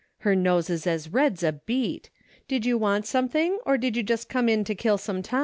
Her nose 's as red 's a beet. Did you want something or did you just come in to kill time